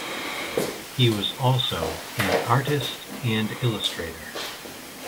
He was also an artist and illustrator.